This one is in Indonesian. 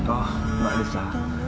oh mbak lisa